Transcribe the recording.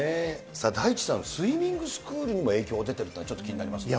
さあ、大地さん、スイミングスクールにも影響が出ているというのは気になりますね。